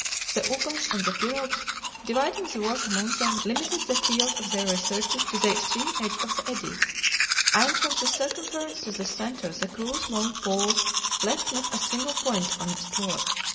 The ubas and the pirogues, dividing the work among them, limited the field of their researches to the extreme edge of the eddy, and from the circumference to the center the crews' long poles left not a single point unexplored.